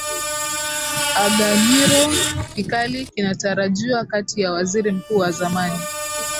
aganyiro kikali kinatarajiwa kati ya waziri mkuu wa zamani